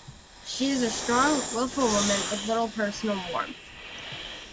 She is a strong, willful woman with little personal warmth.